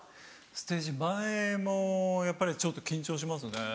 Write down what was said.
ステージ前もやっぱりちょっと緊張しますね。